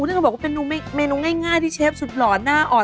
นี่คือเป็นเมนูง่ายที่เชฟสุดหลอนหน้าอ่อน